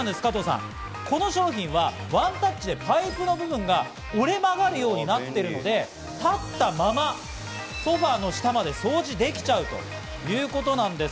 この商品はワンタッチでパイプの部分が折れ曲がるようになっているので、立ったままソファの下まで掃除できちゃうということなんです。